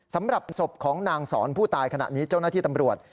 สำหรับศพของนางสอนผู้ตายขณะนี้เจ้าหน้าที่ตำรวจ